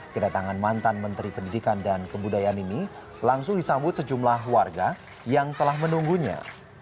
kedatangan mantan menteri pendidikan dan kebudayaan ini langsung disambut sejumlah warga yang telah menunggunya